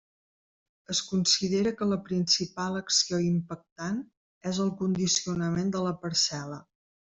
Es considera que la principal acció impactant és el condicionament de la parcel·la.